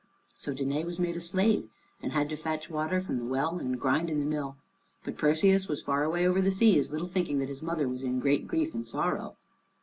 So Danæ was made a slave, and had to fetch water from the well, and grind in the mill. But Perseus was far away over the seas, little thinking that his mother was in great grief and sorrow.